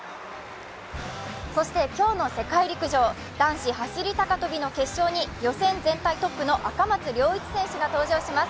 そして今日の世界陸上、男子走高跳の決勝に予選全体トップの赤松諒一選手が出場します。